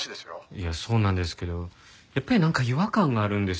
いやそうなんですけどやっぱりなんか違和感があるんですよ。